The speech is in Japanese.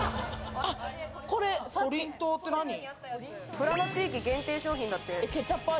富良野地域限定商品だって。